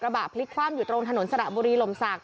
บะพลิกคว่ำอยู่ตรงถนนสระบุรีลมศักดิ